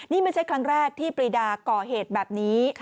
นี่ไม่ใช่ครั้งแรกที่ปรีดาก่อเหตุแบบนี้